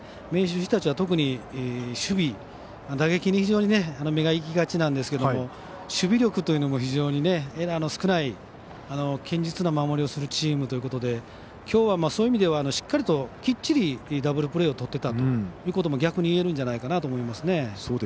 明秀日立は特に守備、打撃に非常に目がいきがちなんですけど守備力というのも非常にエラーの少ない堅実な守りをするチームということできょうは、そういう意味ではしっかりときっちりダブルプレーをとっていたと逆にいえるんじゃないかなと思いますね。